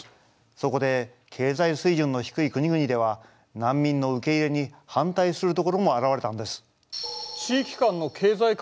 そこで経済水準の低い国々では難民の受け入れに反対するところも現れたんです。